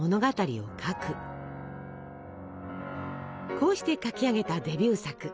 こうして書き上げたデビュー作。